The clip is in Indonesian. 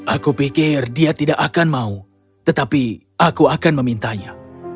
aku pikir dia tidak akan mau tetapi aku akan memintanya